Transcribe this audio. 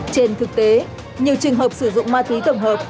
trên thực tế nhiều trường hợp sử dụng ma túy tổng hợp